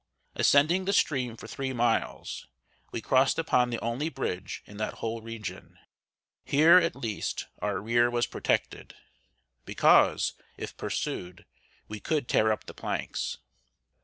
Ascending the stream for three miles, we crossed upon the only bridge in that whole region. Here, at least, our rear was protected; because, if pursued, we could tear up the planks.